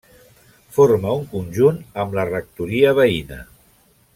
Forma un conjunt amb la rectoria veïna.